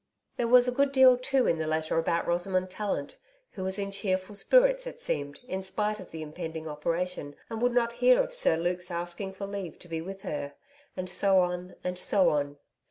There was a good deal, too, in the letter about Rosamond Tallant, who was in cheerful spirits, it seemed, in spite of the impending operation, and would not hear of Sir Luke's asking for leave to be with her and so on and so on.